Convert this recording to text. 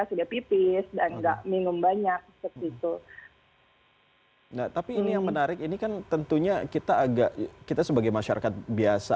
seperti itu tetapi ini yang menarik ini kan tentunya kita agak kita sebagai masyarakat biasa